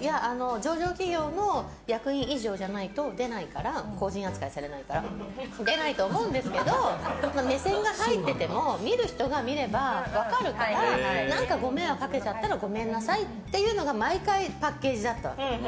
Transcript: いや、上場企業の役員以上じゃないと出ないから公人扱いされないから出ないと思うんですけど目線が入ってても見せる人が見れば分かるから何か、ご迷惑かけちゃったらごめんなさいっていうのが毎回のパッケージだったわけ。